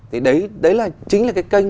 thì đấy là chính là cái kênh